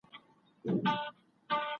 سفیران به انفرادي حقونه خوندي کړي.